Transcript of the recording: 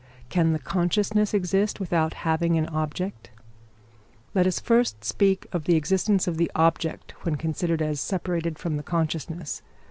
Can the consciousness exist without having an object? Let us first speak of the existence of the object when considered as separated from the consciousness.